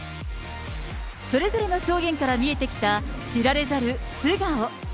それぞれの証言から見えてきた知られざる素顔。